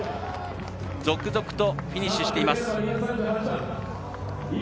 続々とフィニッシュしています。